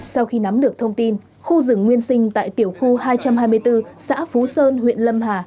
sau khi nắm được thông tin khu rừng nguyên sinh tại tiểu khu hai trăm hai mươi bốn xã phú sơn huyện lâm hà